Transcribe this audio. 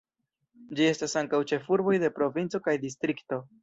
Ĝi estas ankaŭ ĉefurboj de provinco kaj distrikto.